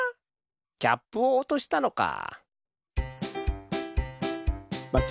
キャップをおとしたのか。